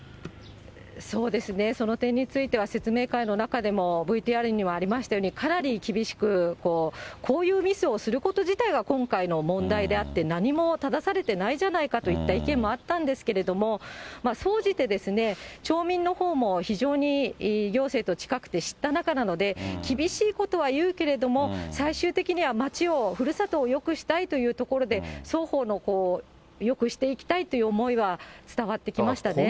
そうですね、その点については説明会の中でも、ＶＴＲにもありましたように、かなり厳しく、こういうミスをすること自体が、今回の問題であって、なにもただされてないじゃないかっていった意見もあったんですけれども、総じて町民のほうも非常に行政と近くて、知った仲なので、厳しいことは言うけれども、最終的には町を、ふるさとをよくしたいというところで、双方のよくしていきたいという思いは伝わってきましたね。